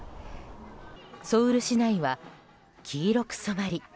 ソウル市内は黄色く染まり